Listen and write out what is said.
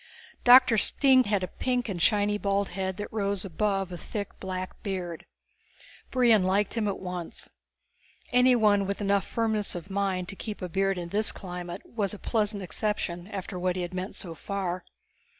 Doctor Stine had a pink and shiny bald head that rose above a thick black beard. Brion had liked him at once. Anyone with enough firmness of mind to keep a beard in this climate was a pleasant exception after what he had met so far.